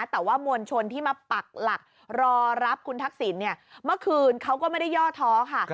แต่ว่ามวลชนที่มาปักหลักรอรับคุณทักษิณเนี่ยเมื่อคืนเขาก็ไม่ได้ย่อท้อค่ะ